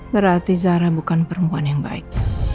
berarti zahra bukan perempuan yang baik